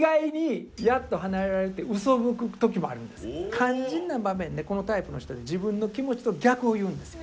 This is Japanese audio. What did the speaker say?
肝心な場面でこのタイプの人って自分の気持ちと逆を言うんですよ。